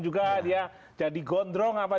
juga dia jadi gondrong apa